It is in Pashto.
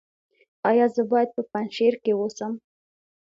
ایا زه باید په پنجشیر کې اوسم؟